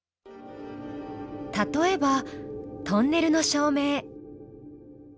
例えばトンネルの照明。